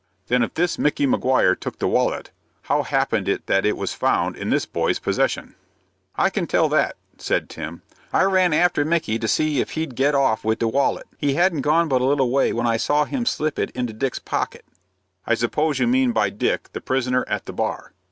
"Then if this Micky Maguire took the wallet, how happened it that it was found in this boy's possession?" "I can tell that," said Tim. "I ran after Micky to see if he'd get off wid the wallet. He hadn't gone but a little way when I saw him slip it into Dick's pocket." "I suppose you mean by Dick, the prisoner at the bar?"